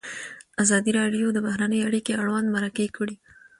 ازادي راډیو د بهرنۍ اړیکې اړوند مرکې کړي.